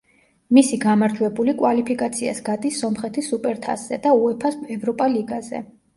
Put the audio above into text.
მისი გამარჯვებული კვალიფიკაციას გადის სომხეთის სუპერთასზე და უეფა-ს ევროპა ლიგაზე.